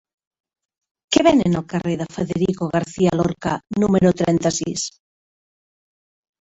Què venen al carrer de Federico García Lorca número trenta-sis?